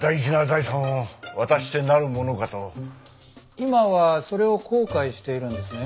今はそれを後悔しているんですね？